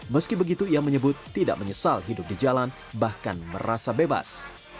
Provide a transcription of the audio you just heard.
meski begitu ia menyebut tidak menyesal hidup di jalan bahkan merasa bebas